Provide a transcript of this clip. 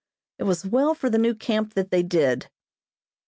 It was well for the new camp that they did.